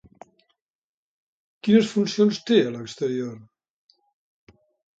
Quines funcions té a l'exterior?